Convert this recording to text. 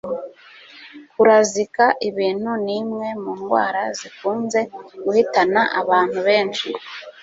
Kurazika ibintu ni imwe mu ndwara zikunze guhitana abantu benshi